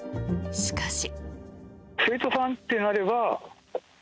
しかし。